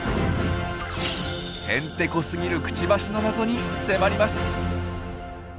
ヘンテコすぎるクチバシの謎に迫ります！